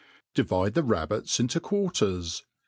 DIVIDE the rabbits into quarters.